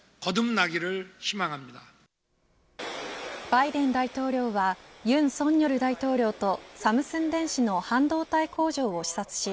バイデン大統領は尹錫悦大統領とサムスン電子の半導体工場を視察し